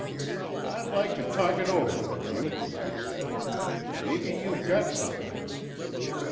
"I'd like to talk it over with you," I said. "Maybe you've got something."